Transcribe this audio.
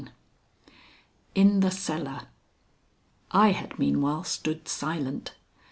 XXIX IN THE CELLAR I had meanwhile stood silent.